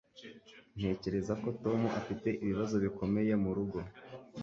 Ntekereza ko Tom afite ibibazo bikomeye murugo